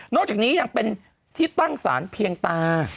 จากนี้ยังเป็นที่ตั้งสารเพียงตา